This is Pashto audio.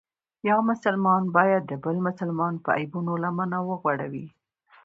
یو مسلمان باید د بل مسلمان په عیبونو لمنه وغوړوي.